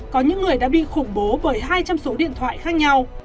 có những người đã bị khủng bố bởi hai trăm linh số điện thoại khác nhau